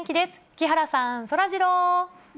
木原さん、そらジロー。